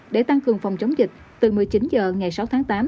để tăng cường phòng chống dịch từ một mươi chín h ngày sáu tháng tám